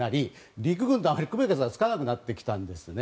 陸軍とあまり区別がつかなくなってきたんですね。